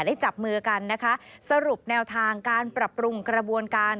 จับมือกันนะคะสรุปแนวทางการปรับปรุงกระบวนการ